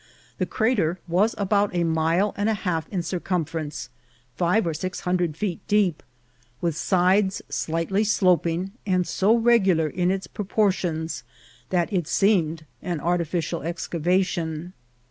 The crater was about a mile and a half in circumference, five or six hundred feet deep, with sides slightly sloping, and so regular in its propor tions that it seemed an artificial excavation.